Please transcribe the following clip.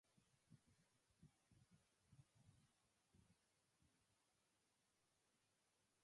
Joanna Lumley also has a home near here.